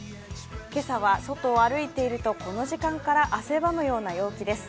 今朝は、外を歩いているとこの時間から、汗ばむ陽気です。